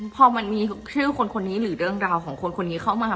พอมันมีชื่อคนคนนี้หรือเรื่องราวของคนคนนี้เข้ามา